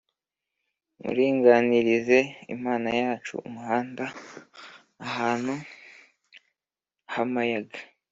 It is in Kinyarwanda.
muringanirize Imana yacu umuhanda ahantu h’amayaga.